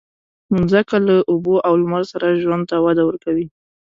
مځکه له اوبو او لمر سره ژوند ته وده ورکوي.